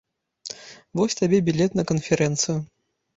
Вось табе білет на канферэнцыю.